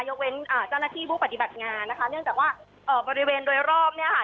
ยกเว้นอ่าเจ้าหน้าที่ผู้ปฏิบัติงานนะคะเนื่องจากว่าเอ่อบริเวณโดยรอบเนี่ยค่ะ